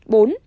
bốn tỉnh phú